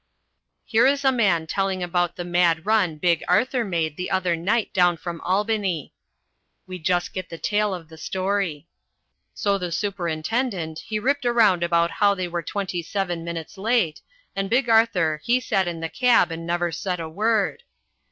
Here is a man telling about the mad run "Big Arthur" made the other night down from Albany. We get just the tail of the story: "So the superintendent he ripped around about how they were twenty seven minutes late, and Big Arthur he sat in the cab and never said a word.